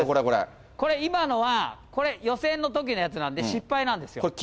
これ、今のは予選のときのやつなんで、失敗なんですよ。